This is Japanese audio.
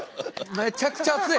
めちゃくちゃ熱い！